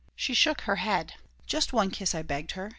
She shook her head "Just one kiss," I begged her.